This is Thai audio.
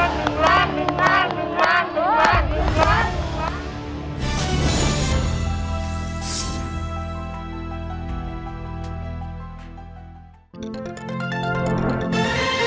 โปรดติดตามตอนต่อไป